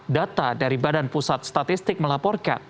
data dari badan pusat statistik melaporkan